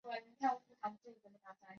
站内主要色调为中国红。